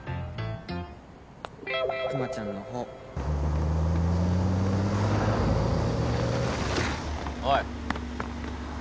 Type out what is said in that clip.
「くまちゃんの方」おい。